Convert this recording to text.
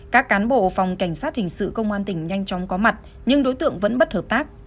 các cán bộ phòng cảnh sát hình sự công an tỉnh nhanh chóng có mặt nhưng đối tượng vẫn bất hợp tác